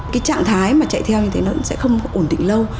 cái trạng thái mà chạy theo như thế nó sẽ không ổn định lâu